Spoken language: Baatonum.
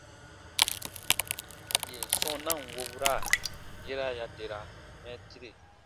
Yèn sɔ̃ na ǹ wobura, yera ya dera mɛɛtiri.